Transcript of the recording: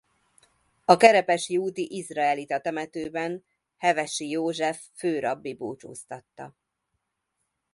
A Kerepesi úti izraelita temetőben Hevesi József főrabbi búcsúztatta.